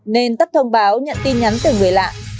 nên tắt thông báo nhận tin nhắn từ người lạ